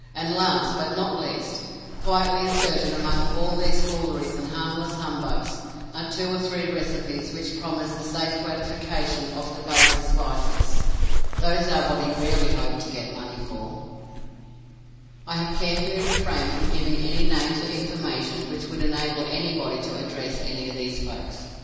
And last, but not least, quietly inserted among all these fooleries and harmless humbugs, are two or three recipes which promise the safe gratification of the basest vices. Those are what he really hoped to get money for. I have carefully refrained from giving any names or information which would enable anybody to address any of these folks.